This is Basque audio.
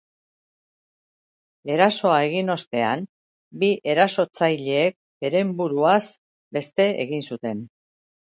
Erasoa egin ostean, bi erasotzaileek beren buruaz beste egin zuten.